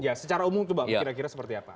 ya secara umum tuh bang kira kira seperti apa